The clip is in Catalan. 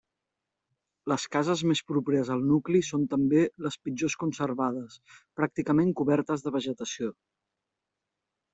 Les cases més properes al nucli són també les pitjor conservades, pràcticament cobertes de vegetació.